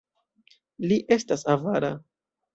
Li estas avara!